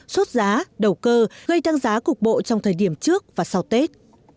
sốt giá đầu cơ gây tăng giá cục bộ trong thời điểm trước và sau tết